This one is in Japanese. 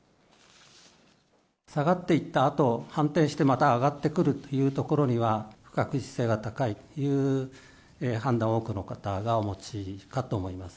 下がっていったあと、反転してまた上がってくるというところには、不確実性が高いという判断を、多くの方がお持ちかと思います。